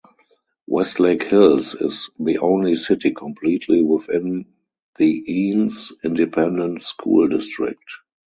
West Lake Hills is the only city completely within the Eanes Independent School District.